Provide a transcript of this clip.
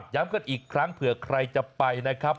ย้ำกันอีกครั้งเผื่อใครจะไปนะครับ